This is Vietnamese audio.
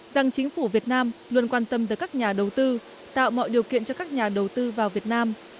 rằng chính phủ việt nam luôn quan tâm tới các nhà đầu tư tạo mọi điều kiện cho các nhà đầu tư vào việt nam